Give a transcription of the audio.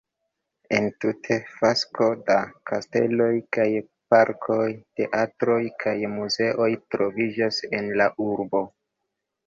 Entute fasko da kasteloj kaj parkoj, teatroj kaj muzeoj troviĝas en la urbo.